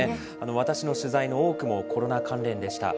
私の取材の多くもコロナ関連でし